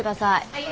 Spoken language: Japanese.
はい。